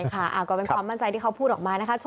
ค่ะก็เป็นความมั่นใจที่เขาพูดออกมานะคะ